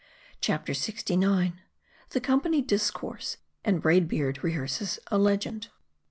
,\ CHAPTER LXIX. THE COMPANY DISCOURSE, AND BRAID BEARD REHEARSES A LEGEND.